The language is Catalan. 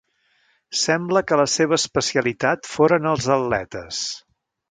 Sembla que la seva especialitat foren els atletes.